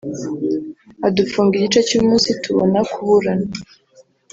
adufunga igice cy’umunsi tubona kuburana